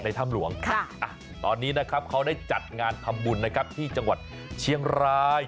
ในถ้ำหลวงตอนนี้เขาได้จัดงานทำบุญที่จังหวัดเชียงราย